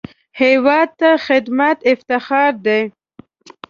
هېواد ته خدمت افتخار دی